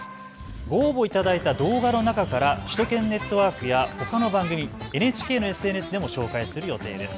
ご応募いただいた動画の中から首都圏ネットワークやほかの番組、ＮＨＫのＳＮＳでも紹介する予定です。